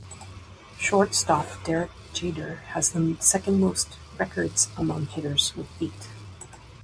Shortstop Derek Jeter has the second-most records among hitters, with eight.